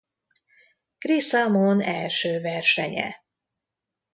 Chris Amon első versenye.